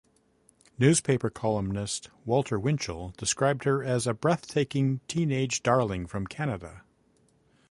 Newspaper columnist Walter Winchell described her as a breathtaking teen-age darling from Canada.